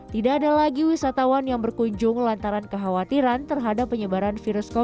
tidak ada lagi wisatawan yang berkunjung lantaran kekhawatiran terhadap penyebaran virus covid sembilan belas